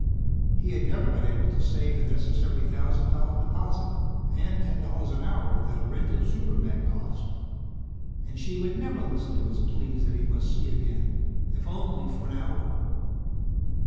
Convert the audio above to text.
He had never been able to save the necessary thousand dollar deposit, and ten dollars an hour, that a rented super mech cost. And she would never listen to his pleas that he must see again if only for an hour....